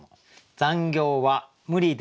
「残業は無理です